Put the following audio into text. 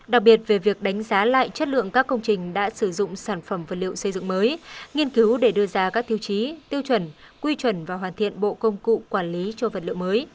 đặc biệt về việc đánh giá lại chất lượng các công trình đã sử dụng sản phẩm vật liệu xây dựng mới nghiên cứu để đưa ra các tiêu chí tiêu chuẩn quy chuẩn và hoàn thiện bộ công cụ quản lý cho vật liệu mới